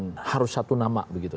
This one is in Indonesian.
karena kemudian harus satu nama begitu